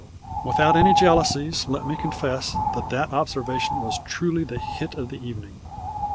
Without any jealousies let me confess that that observation was truly the hit of the evening.